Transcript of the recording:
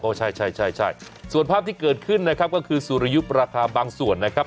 ใช่ใช่ใช่ส่วนภาพที่เกิดขึ้นนะครับก็คือสุริยุปราคาบางส่วนนะครับ